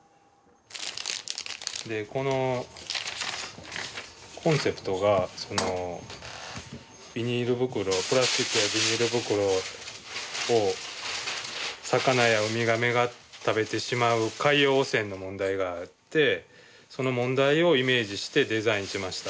でこのコンセプトがそのビニール袋「プラスチックやビニール袋を魚やウミガメが食べてしまう海洋汚染の問題があってその問題をイメージしてデザインしました」。